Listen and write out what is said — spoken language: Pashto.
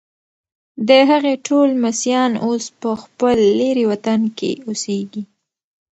د هغې ټول لمسیان اوس په خپل لیرې وطن کې اوسیږي.